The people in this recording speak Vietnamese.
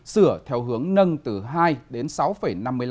sửa theo hướng nâng từ hai đến năm năm